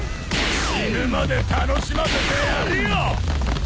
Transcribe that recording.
死ぬまで楽しませてやるよ！